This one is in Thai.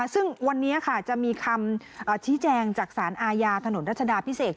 ซึ่งวันนี้จะมีคำชี้แจงจากสารอาญาถนนรัชดาพิเศษ